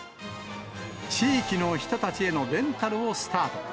地域の人たちへのレンタルをスタート。